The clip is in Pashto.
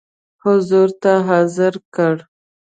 حضور ته حاضر کړ.